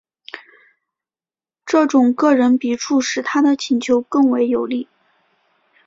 这种个人笔触使他的请求更为有力。